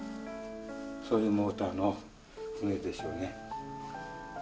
そういうモーターの船でしょうね。